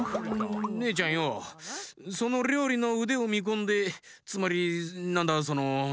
ねえちゃんよそのりょうりのうでをみこんでつまりなんだその。